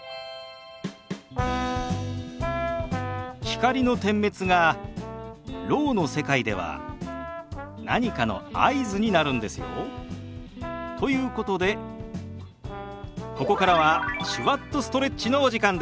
光の点滅がろうの世界では何かの合図になるんですよ。ということでここからは「手話っとストレッチ」のお時間です。